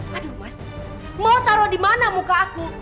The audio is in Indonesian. mau taro dimana muka aku